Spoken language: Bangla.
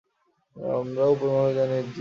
আমি উপর মহলে জানিয়ে দিয়েছি।